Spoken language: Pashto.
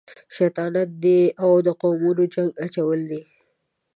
شیطانت دی او د قومونو جنګ اچول دي.